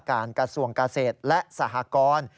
การกระทรวงเกษตรและสหกรณ์